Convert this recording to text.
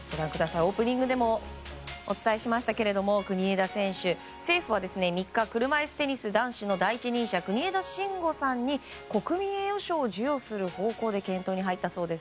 オープニングでも伝えしましたが国枝選手、政府は３日車いすテニス男子の第一人者国枝慎吾さんに国民栄誉賞を授与する方向で検討に入ったそうです。